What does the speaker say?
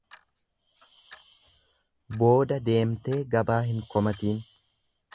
Booda deemtee gabaa hin komatiin.